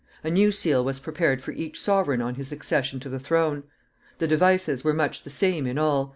A new seal was prepared for each sovereign on his accession to the throne. The devices were much the same in all.